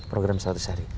program seratus hari